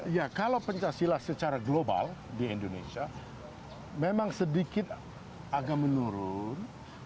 ya kalau pencaksilat secara global di indonesia memang sedikit agak menurun